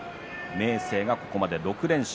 明生が、ここまで６連勝。